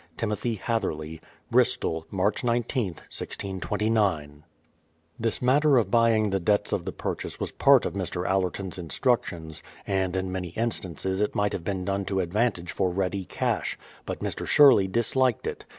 TIMOTHY HATHERLEY. Bristol, March igth, 1629. This matter of buying the debts of the purchase was part of Mr. Allerton's instructions, and in many instances it might have been done to advantage for ready cash; but Mr. Sherley disHked it.